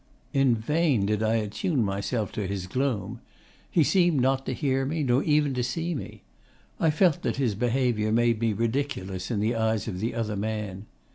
In vain did I attune myself to his gloom. He seemed not to hear me nor even to see me. I felt that his behaviour made me ridiculous in the eyes of the other man.